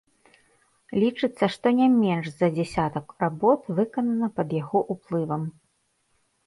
Лічыцца, што не менш за дзясятак работ выканана пад яго уплывам.